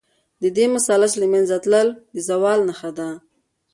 د دې مثلث له منځه تلل، د زوال نښه ده.